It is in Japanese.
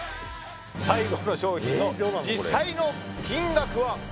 最後の商品の実際の金額は？